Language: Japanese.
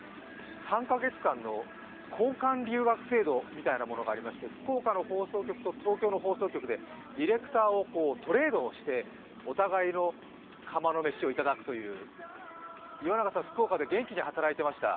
３カ月間の交換留学制度みたいなものがありまして福岡の放送局と東京の放送局でディレクターをトレードして、お互いの釜の飯を頂くという岩永さん、福岡で元気に働いていました。